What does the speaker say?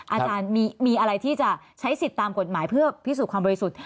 อาจารย์มีอะไรที่จะใช้สิทธิ์ตามกฎหมายเพื่อพิสูจน์ความบริสุทธิ์